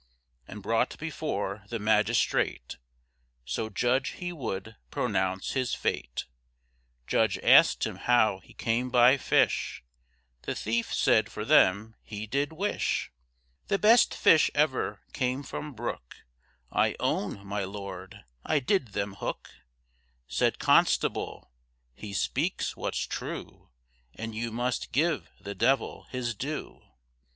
And brought before the magistrate, So judge he would pronounce his fate, Judge asked him how he came by fish, The thief said for them he did wish, The best fish ever came from brook, I own, my Lord, I did them hook, Said constable, he speaks what's true, And you must give the devil his due.